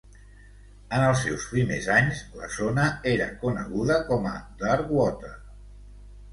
En els seus primers anys, la zona era coneguda com a Darkwater.